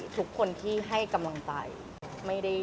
ทุกคนที่ให้กำลังใจ